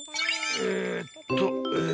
えっとえ。